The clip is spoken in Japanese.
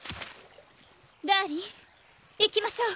ダーリン行きましょう。